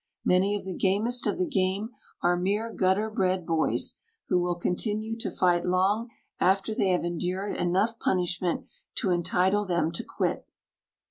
Many of the gamest of the game are mere gutter bred boys who will continue to fight long after they have endured enough punishment to entitle them to quit.